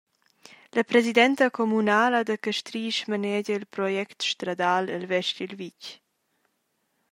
La presidenta communala da Castrisch manegia il project stradal el vest dil vitg.